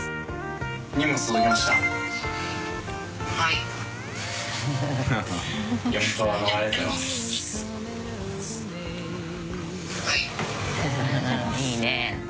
いいね。